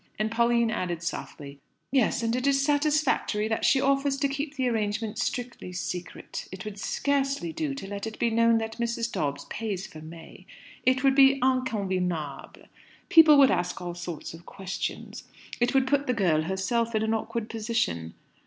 And Pauline added softly "Yes; and it is satisfactory that she offers to keep the arrangement strictly secret. It would scarcely do to let it be known that Mrs. Dobbs pays for May. It would be inconvenable. People would ask all sorts of questions. It would put the girl herself in an awkward position.